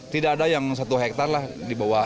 tidak ada yang satu hektare lah di bawah